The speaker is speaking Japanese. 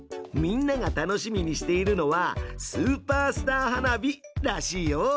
みんなが楽しみにしているのは「スーパースター花火」らしいよ！